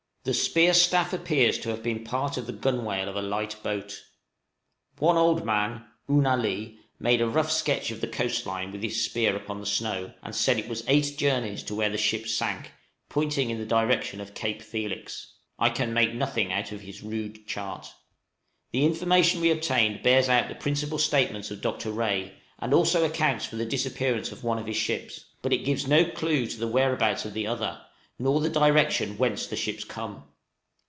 The spear staff appears to have been part of the gunwale of a light boat. One old man, "Oo na lee," made a rough sketch of the coast line with his spear upon the snow, and said it was eight journeys to where the ship sank, pointing in the direction of Cape Felix. I can make nothing out of his rude chart. {RAE'S STATEMENTS CONFIRMED.} The information we obtained bears out the principal statements of Dr. Rae, and also accounts for the disappearance of one of the ships; but it gives no clue to the whereabouts of the other, nor the direction whence the ships come.